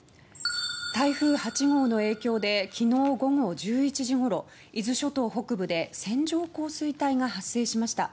台風８号の影響で昨日午後１１時ごろ伊豆諸島北部で線状降水帯が発生しました。